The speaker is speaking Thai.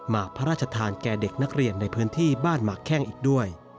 พระราชทานแก่เด็กนักเรียนในพื้นที่บ้านหมากแข้งอีกด้วย